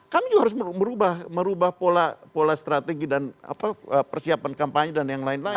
kami juga harus merubah pola strategi dan persiapan kampanye dan yang lain lain